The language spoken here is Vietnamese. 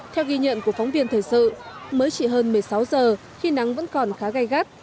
theo ghi nhận của phóng viên thời sự mới chỉ hơn một mươi sáu giờ khi nắng vẫn còn khá gai gắt